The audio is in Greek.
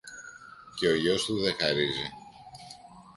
και ο γιος του δε χαρίζει.